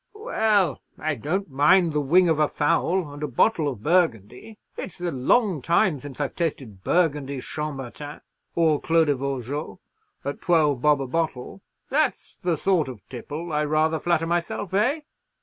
"Well, I don't mind the wing of a fowl, and a bottle of Burgundy. It's a long time since I've tasted Burgundy. Chambertin, or Clos de Vougeot, at twelve bob a bottle—that's the sort of tipple, I rather flatter myself—eh?"